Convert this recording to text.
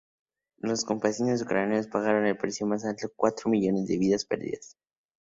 Los campesinos ucranianos pagaron el precio más alto: cuatro millones de vidas perdidas.